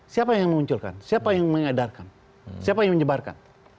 siapa yang mengunculkan siapa yang mengadarkan siapa yang menyebarkan